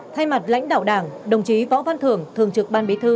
thay mặt lãnh đạo đảng đồng chí võ văn thưởng thường trực ban bí thư